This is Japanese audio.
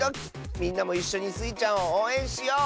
みんなもいっしょにスイちゃんをおうえんしよう！